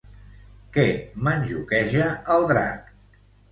Què menjuqueja el drac?